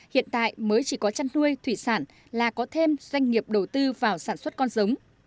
hiện tại mới chỉ có chăn nuôi thủy sản là có thêm doanh nghiệp đầu tư vào sản xuất con giống